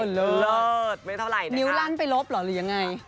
โอ้โหเลิศไม่เท่าไหร่นะคะนิ้วรั้นไปลบหรือยังไงโอ้โหเลิศเลิศ